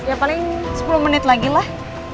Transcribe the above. ya paling sepuluh menit lagi lah